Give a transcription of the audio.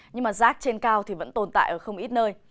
nhưng mà rác trên cao thì vẫn tồn tại ở không ít nơi